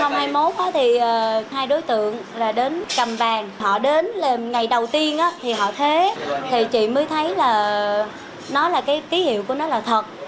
năm hai nghìn hai mươi một thì hai đối tượng là đến cầm vàng họ đến ngày đầu tiên thì họ thế thì chị mới thấy là nó là cái ký hiệu của nó là thật